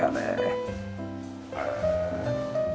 へえ。